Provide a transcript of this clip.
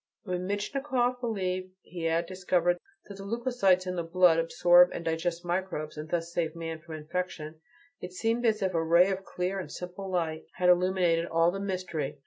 When Metchnikoff believed he had discovered that the leucocytes in the blood absorb and digest microbes and thus save man from infection, it seemed as if a ray of clear and simple light had illuminated all the mystery.